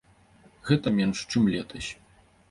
Гэта менш, чым летась.